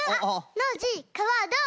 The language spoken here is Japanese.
ノージーかわはどう？